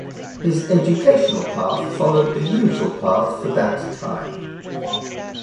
His educational path followed the usual path for that time.